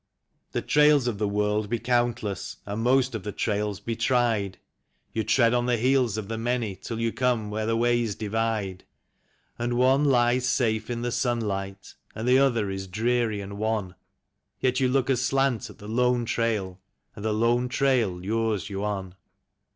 The trails of the world be countless, and most of the trails be tried; You tread on the heels of the many, till you come where the ways divide; And one lies safe in the sunlight, and the other is dreary and wan, Yet you look aslant at the Lone Trail, and the Lone Trail lures you on.